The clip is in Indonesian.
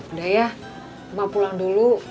udah ya cuma pulang dulu